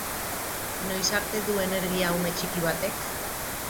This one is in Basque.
Noiz arte du energia ume txiki batek?